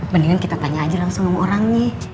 bendingan kita tanya aja langsung sama orangnya